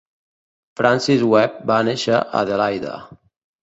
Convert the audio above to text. Francis Webb va néixer a Adelaida.